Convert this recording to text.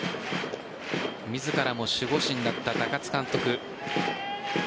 自らも守護神だった高津監督。